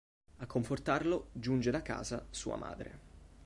A confortarlo, giunge da casa sua madre.